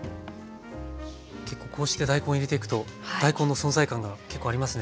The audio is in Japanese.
こうして大根を入れていくと大根の存在感が結構ありますね。